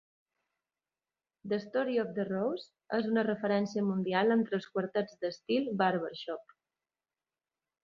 "The Story of the Rose" és una referència mundial entre els quartets d'estil "barbershop"